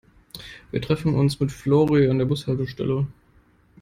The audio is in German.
Wir treffen uns mit Flori an der Bushaltestelle.